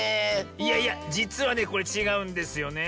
いやいやじつはねこれちがうんですよねえ。